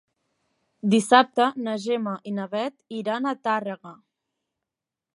Dissabte na Gemma i na Bet iran a Tàrrega.